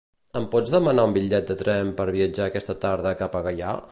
Em pots demanar un bitllet de tren per viatjar aquesta tarda cap a Gaià?